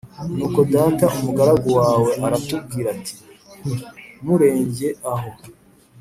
nuko data umugaragu wawe aratubwira ati nti murenge aho